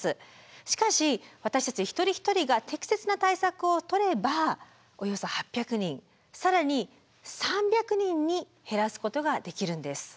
しかし私たち一人一人が適切な対策を取ればおよそ８００人更に３００人に減らすことができるんです。